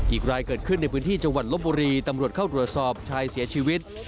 อีกรายเกิดขึ้นในพื้นที่จังหวัดลบบุรีตำรวจเข้าตรวจสอบชายเสียชีวิต